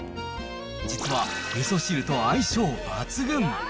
実は、みそ汁と相性抜群。